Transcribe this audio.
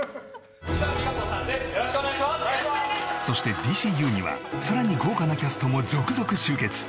そして「ＤＣＵ」にはさらに豪華なキャストも続々集結